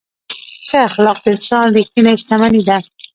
ښه اخلاق د انسان ریښتینې شتمني ده.